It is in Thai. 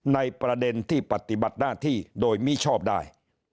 ในประเด็นที่ปฏิบัติหน้าที่โดยมิชอบได้